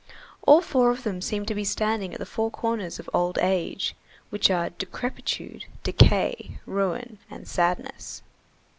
All four of them seemed to be standing at the four corners of old age, which are decrepitude, decay, ruin, and sadness.